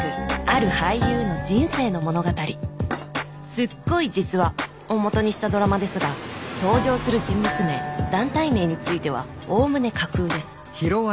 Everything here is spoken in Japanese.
すっごい実話！をもとにしたドラマですが登場する人物名団体名についてはおおむね架空です